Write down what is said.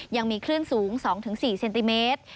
ยังมีคลื่นสูง๒๔เซนติเมตร